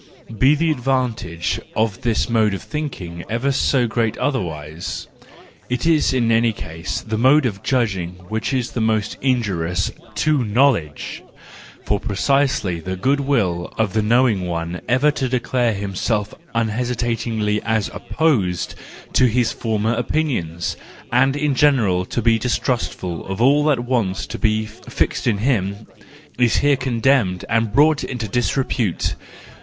Be the advantage of this mode of thinking ever so great otherwise, it is in any case the mode of judging which is most injurious to knowledge: for precisely the good will of the know¬ ing one ever to declare himself unhesitatingly as opposed to his former opinions, and in general to be distrustful of all that wants to be fixed in him —is here condemned and brought into disrepute.